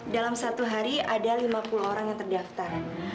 dalam satu hari ada lima puluh orang yang terdaftar